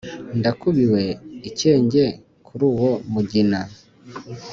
ndakubiwe ikinge kuruwo mugina